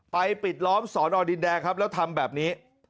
ปิดล้อมสอนอดินแดงครับแล้วทำแบบนี้